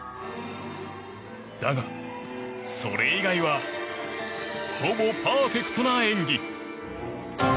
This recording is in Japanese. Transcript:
だが、それ以外はほぼパーフェクトな演技。